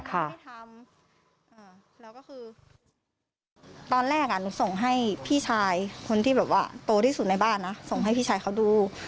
ตอนแรกอ่ะหนูส่งให้พี่ชายคนที่แบบว่าโต้ที่สุดในบ้านนะส่งให้พี่ชายเขาดู